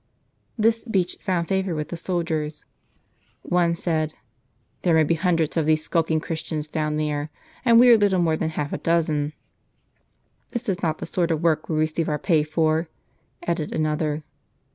This speech found favor with the soldiers. One said, " There may be hundreds of these skulking Christians down there, and we are little more than half a dozen." "This is not the sort of work we receive our pay for," added another.